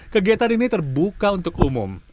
kegiatan ini terbuka untuk umum